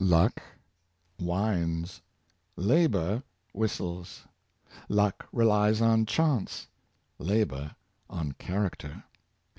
Luck whines; Labor whistles. Luck relies on chance; Labor, on character.